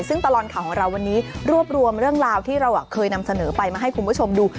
ซึ่งตลอดข่าวของเราวันนี้รวบรวมเรื่องราวที่เราเคยนำเสนอไปมาให้คุณผู้ชมดู